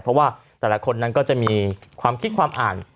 เพราะว่าแต่ละคนนั้นก็จะมีความคิดความอ่าน